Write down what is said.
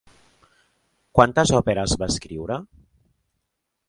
Quantes òperes va escriure?